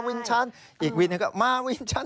อีกวินก็มาวินชัน